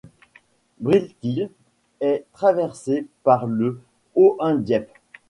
Briltil est traversé par le Hoendiep.